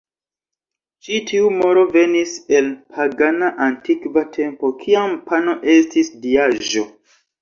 Ĉi tiu moro venis el pagana antikva tempo, kiam pano estis diaĵo.